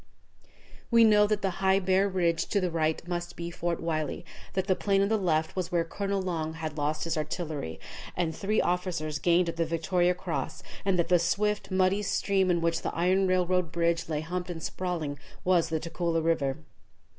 We knew that the high bare ridge to the right must be Fort Wylie, that the plain on the left was where Colonel Long had lost his artillery, and three officers gained the Victoria Cross, and that the swift, muddy stream, in which the iron railroad bridge lay humped and sprawling, was the Tugela River.